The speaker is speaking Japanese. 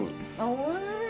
おいしい。